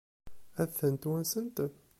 Ad tent-wansent?